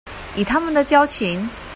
以他們的交情